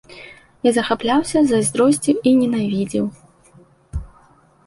Я захапляўся, зайздросціў і ненавідзеў.